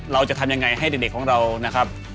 เราจะทำยังไงให้เด็กของเรานะครับ